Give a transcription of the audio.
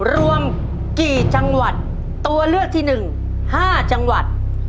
รวมกี่จังหวัดตัวเลือกที่๑๕จังหวัด